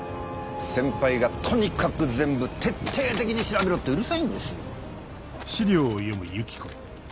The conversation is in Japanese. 先輩がとにかく全部徹底的に調べろってうるさいんです。